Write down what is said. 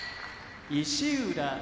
石浦